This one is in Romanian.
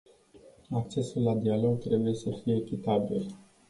Accesul la dialog trebuie să fie echitabil.